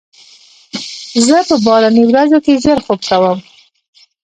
زه په باراني ورځو کې ژر خوب کوم.